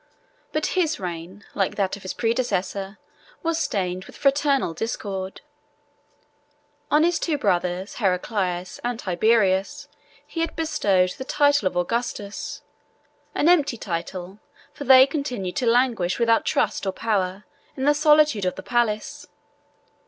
But his reign, like that of his predecessor, was stained with fraternal discord. On his two brothers, Heraclius and Tiberius, he had bestowed the title of Augustus; an empty title, for they continued to languish, without trust or power, in the solitude of the palace.